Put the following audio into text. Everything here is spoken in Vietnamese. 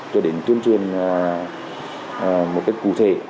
cho đến tuyên truyền một cách cụ thể